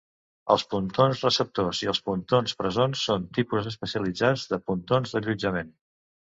Els pontons receptors i els pontons presons són tipus especialitzats de pontons d'allotjament.